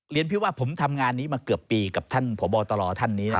พี่ว่าผมทำงานนี้มาเกือบปีกับท่านพบตรท่านนี้